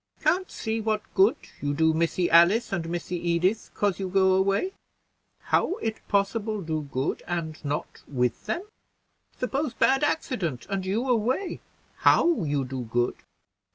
"Can't see what good you do Missy Alice and Missy Edith 'cause you go away. How it possible do good, and not with them? Suppose bad accident, and you away, how you do good?